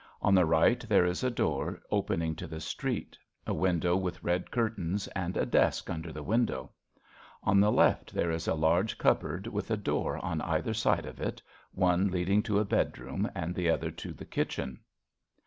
On the right there is a door opening to the street, a win dow with red curtains, and a desk under the window. On the left there is a large cupboard with a door on either side of it, one leading to a bedroom and the other to the kitchen.